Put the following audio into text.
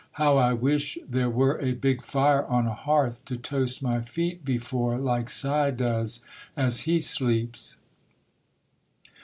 How I wish there were a big fire on a hearth to toast my feet before, like Si does as he sleeps!"